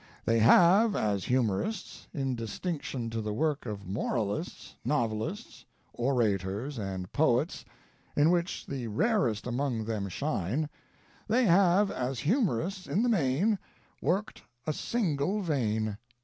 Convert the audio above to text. They have, as humorists, in distinction to the work of moralists, novelists, orators, and poets, in which the rarest among them shine, they have as humorists, in the main, worked a single vein.